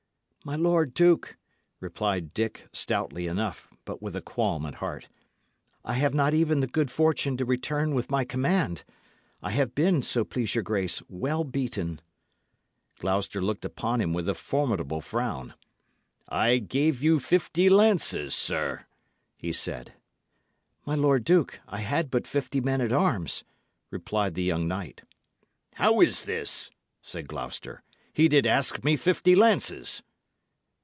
"My lord duke," replied Dick, stoutly enough, but with a qualm at heart, "I have not even the good fortune to return with my command. I have been, so please your grace, well beaten." Gloucester looked upon him with a formidable frown. "I gave you fifty lances, sir," he said. "My lord duke, I had but fifty men at arms," replied the young knight. "How is this?" said Gloucester. "He did ask me fifty lances."